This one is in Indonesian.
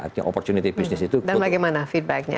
dan bagaimana feedbacknya